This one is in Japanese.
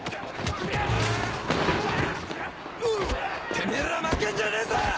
てめぇら負けんじゃねえぞ！